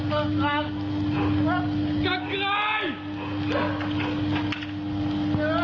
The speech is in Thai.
กักไกร